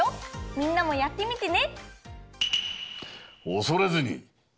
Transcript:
みんなもやってみてね！